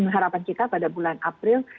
harapan kita pada bulan april